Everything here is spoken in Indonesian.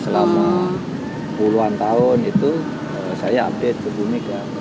selama puluhan tahun itu saya update ke bu megawati